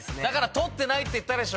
取ってないって言ったでしょ。